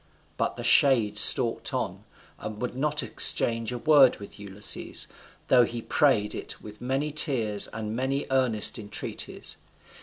But the shade stalked on, and would not exchange a word with Ulysses, though he prayed it with many tears and many earnest entreaties.